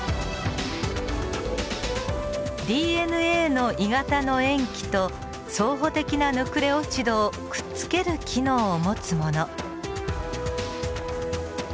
ＤＮＡの鋳型の塩基と相補的なヌクレオチドをくっつける機能を持つもの。